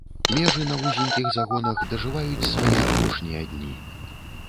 Межы на вузенькіх загонах дажываюць свае апошнія дні.